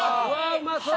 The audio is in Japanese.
うまそう！